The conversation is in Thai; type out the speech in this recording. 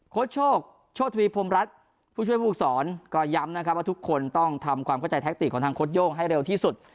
โชคโชธวีพรมรัฐผู้ช่วยผู้สอนก็ย้ำนะครับว่าทุกคนต้องทำความเข้าใจแท็กติกของทางโค้ดโย่งให้เร็วที่สุด